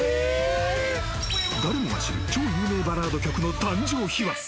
誰もが知る超有名バラード曲の誕生秘話。